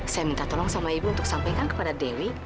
saya minta tolong sama ibu untuk sampaikan kepada dewi